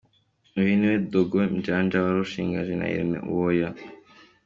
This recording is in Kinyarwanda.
Ubu bwishingizi umuntu abuhabwa ku giti cye cyangwa se abantu bishyize hamwe.